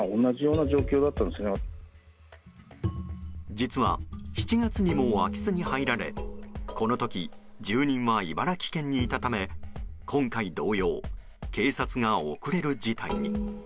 実は、７月にも空き巣に入られこの時、住人は茨城県にいたため今回同様、警察が遅れる事態に。